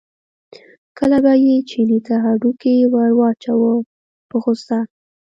کله به یې چیني ته هډوکی ور واچاوه په غوسه.